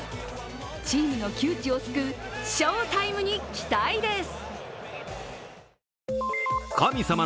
チームの窮地を救う翔タイムに期待です。